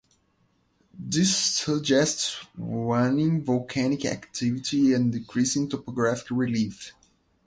This suggests waning volcanic activity and decreasing topographic relief.